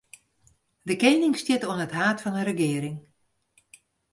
De kening stiet oan it haad fan 'e regearing.